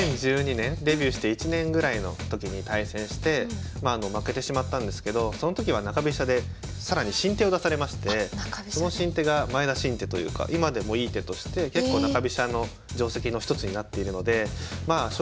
２０１２年デビューして１年ぐらいの時に対戦してまあ負けてしまったんですけどその時は中飛車で更に新手を出されましてその新手が前田新手というか今でもいい手として結構中飛車の定跡の一つになっているのでまあ